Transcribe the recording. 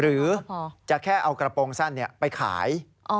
หรือจะแค่เอากระโปรงสั้นไปขาย